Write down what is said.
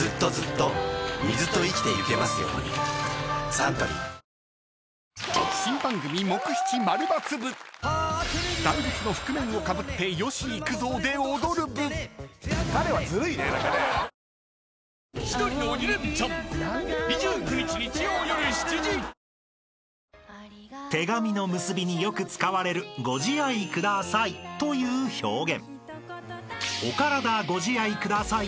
サントリー［手紙の結びによく使われる「ご自愛ください」という表現］